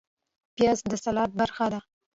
پیاز د سلاد برخه ده